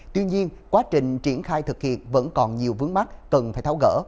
tuy nhiên quá trình triển khai thực hiện vẫn còn nhiều vướng mắt cần phải tháo gỡ